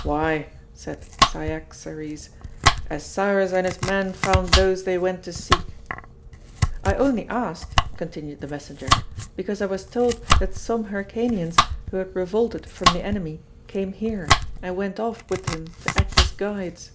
"Why," said Cyaxares, "as Cyrus and his men found those they went to seek." "I only asked," continued the messenger, "because I was told that some Hyrcanians who had revolted from the enemy came here, and went off with him to act as guides."